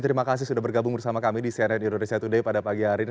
terima kasih sudah bergabung bersama kami di cnn indonesia today pada pagi hari ini